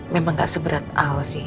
memang gak seberat al sih